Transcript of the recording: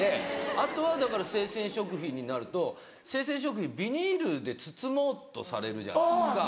あとはだから生鮮食品になると生鮮食品ビニールで包もうとされるじゃないですか。